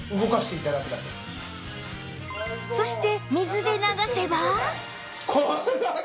そして水で流せば